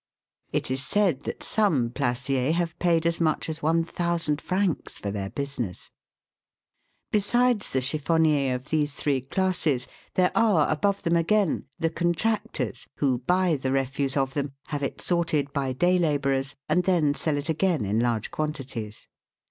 It is said that some placiers have paid as much as 1,000 francs for their business. Besides the chiffonniers of these three classes, there are, above them again, the contractors, who buy the refuse of them, have it sorted by day labourers, and then HOMES OF THE " CHIFFONNIERS" 273 sell it again in large quantities.